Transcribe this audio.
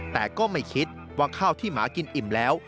แต่ก็ไม่คิดว่าข้าวที่หมากินอิ่มแล้ว